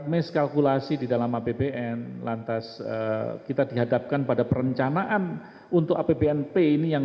mis kalkulasi di dalam apbn lantas kita dihadapkan pada perencanaan untuk apbnp ini